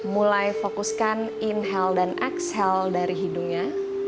mulai fokuskan inhale dan exhale dari hidungnya